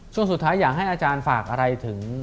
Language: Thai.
ช่วงสุดท้ายอยากให้อาจารย์ฝากอะไรถึง